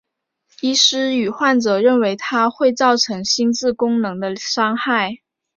医师和患者认为它会造成心智功能的伤害。